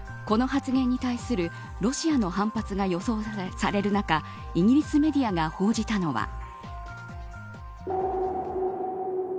この発言に対するロシアの反発が予想される中イギリスメディアが報じたのは。